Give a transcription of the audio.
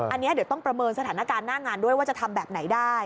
อันนี้เดี๋ยวต้องประเมินสถานการณ์หน้างานด้วยว่าจะทำแบบไหนได้